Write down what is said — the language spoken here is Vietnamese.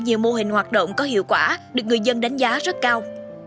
nhiều mô hình hoạt động có hiệu quả được người dân đánh giá rất cao